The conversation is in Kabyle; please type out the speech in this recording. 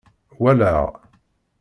Walaɣ.